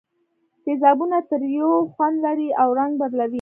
تیزابونه تریو خوند لري او رنګ بدلوي.